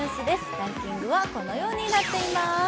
ランキングはこのようになっています。